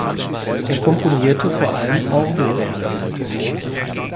Er komponierte vor allem Orgelwerke.